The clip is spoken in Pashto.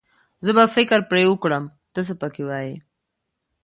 زه به فکر پرې وکړم، ته څه پکې وايې.